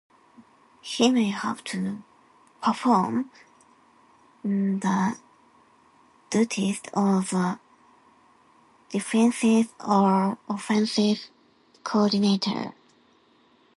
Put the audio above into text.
He may have to perform the duties of a defensive or offensive coordinator.